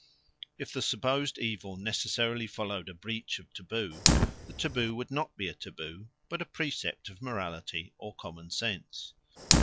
If the supposed evil necessarily followed a breach of taboo, the taboo would not be a taboo but a precept of morality or common sense.